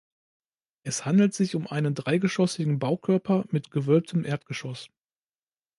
Es handelt sich um einen dreigeschossigen Baukörper mit gewölbtem Erdgeschoss.